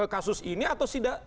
kasus ini atau tidak